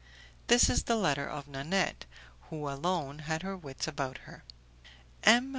This is the letter of Nanette, who alone had her wits about her: "M.